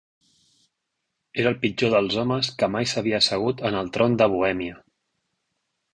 Era el pitjor dels homes que mai s'havia assegut en el tron de Bohèmia.